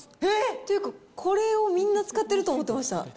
っていうか、これをみんな使ってると思ってました。